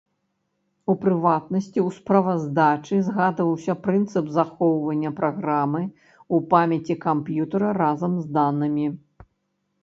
У прыватнасці ў справаздачы згадваўся прынцып захоўвання праграмы ў памяці камп'ютара разам з данымі.